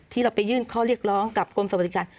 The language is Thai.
ที่เราไปยื่นข้อเรียกร้องกับกรมสวัสดิการ